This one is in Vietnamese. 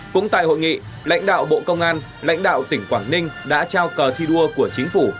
cũng tại hội nghị lãnh đạo bộ công an lãnh đạo tỉnh quảng ninh đã trao cờ thi đua của chính phủ